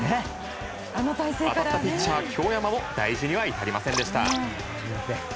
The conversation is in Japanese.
当たったピッチャー京山も大事は至りませんでした。